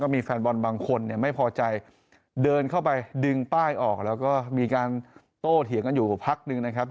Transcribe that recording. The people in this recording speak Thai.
มีแฟนบอลบางคนเนี่ยไม่พอใจเดินเข้าไปดึงป้ายออกแล้วก็มีการโตเถียงกันอยู่พักหนึ่งนะครับ